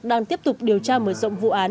đang tiếp tục điều tra mở rộng vụ án